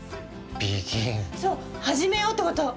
そうはじめようってこと。